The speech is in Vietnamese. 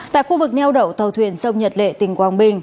tại khu vực neo đậu tàu thuyền sông nhật lệ tỉnh quảng bình